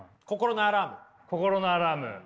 心のアラーム。